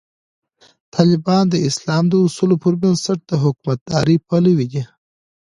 طالبان د اسلام د اصولو پر بنسټ د حکومتدارۍ پلوي دي.